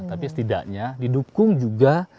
tapi setidaknya didukung juga